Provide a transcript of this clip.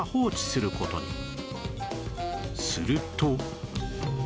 すると